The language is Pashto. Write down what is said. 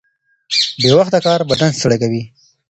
بې وخته کار بدن ستړی کوي.